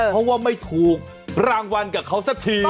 เพราะว่าไม่ถูกรางวัลกับเขาสักที